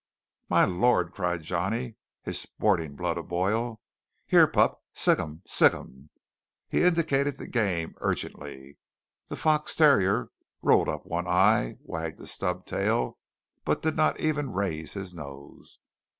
"My Lord!" cried Johnny, his sporting blood aboil. "Here, pup, sic 'em! sic 'em!" He indicated the game urgently. The fox terrier rolled up one eye, wagged his stub tail but did not even raise his nose.